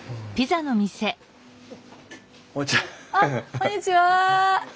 こんにちは。